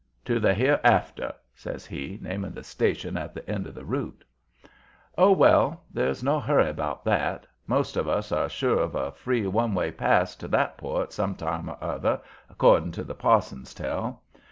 "To the hereafter," says he, naming the station at the end of the route. "Oh, well, there's no hurry about that. Most of us are sure of a free one way pass to that port some time or other, 'cording to the parson's tell.